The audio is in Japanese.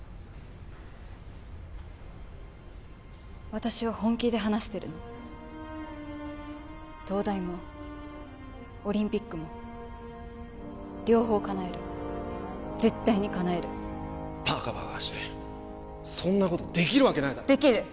私は本気で話してるの東大もオリンピックも両方かなえる絶対にかなえるバカバカしいそんなことできるわけないだろできる